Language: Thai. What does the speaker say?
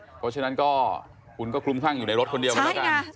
เพราะฉะนั้นก็คุณก็คลุมคลั่งอยู่ในรถคนเดียวกันแล้วกัน